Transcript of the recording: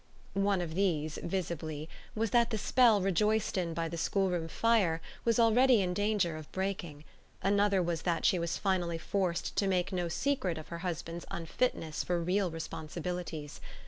One of these, visibly, was that the spell rejoiced in by the schoolroom fire was already in danger of breaking; another was that she was finally forced to make no secret of her husband's unfitness for real responsibilities.